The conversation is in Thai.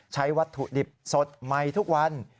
ใช้วัตถุดิบสดใหม่ทุกวัน